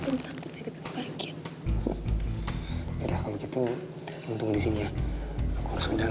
masa itu telfon dia sekarang